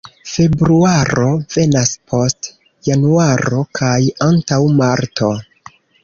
Februaro venas post januaro kaj antaŭ marto.